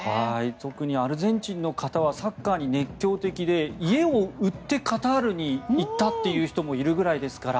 特にアルゼンチンの方はサッカーに熱狂的で家を売ってカタールに行った人もいるぐらいですから。